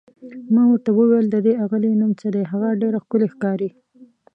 ما ورته وویل: د دې اغلې نوم څه دی، هغه ډېره ښکلې ښکاري؟